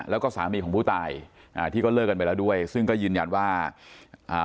แล้วก็สามีของผู้ตายอ่าที่ก็เลิกกันไปแล้วด้วยซึ่งก็ยืนยันว่าอ่า